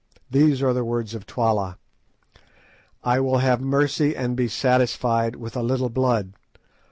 these are the words of Twala: 'I will have mercy and be satisfied with a little blood.